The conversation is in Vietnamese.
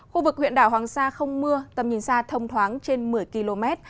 khu vực huyện đảo hoàng sa không mưa tầm nhìn xa thông thoáng trên một mươi km